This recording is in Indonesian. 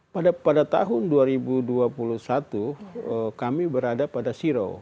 pada tahun dua ribu dua puluh satu kami berada pada zero